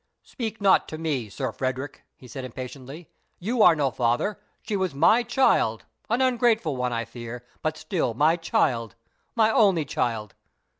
"Speak not to me, Sir Frederick," he said impatiently; "You are no father she was my child, an ungrateful one! I fear, but still my child my only child.